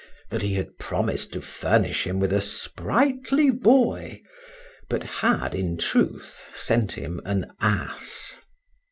That he had promised to furnish him with a sprightly boy, but had, in truth, sent him an ass.